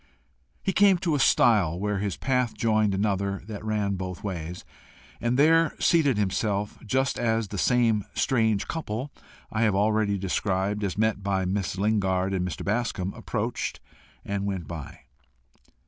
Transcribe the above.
He came to a stile where his path joined another that ran both ways, and there seated himself, just as the same strange couple I have already described as met by Miss Lingard and Mr. Bascombe approached and went by.